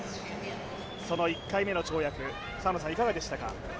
その１回目の跳躍、いかがでしたか。